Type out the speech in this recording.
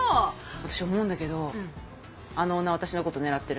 私思うんだけどあのオーナー私のこと狙ってる。